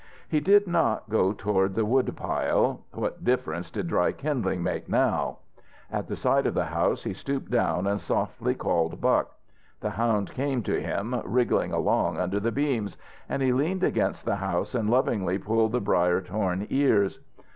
He did not go toward the woodpile what difference did dry kindling make now? At the side of the house he stooped down and softly called Buck. The hound came to him, wriggling along under the beams, and he leaned against the house and lovingly pulled the briar torn ears.